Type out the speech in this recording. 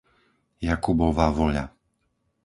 Jakubova Voľa